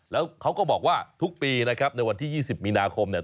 แล้วเขาก็บอกว่าทุกปีนะครับในวันที่๒๐มีนาคมเนี่ย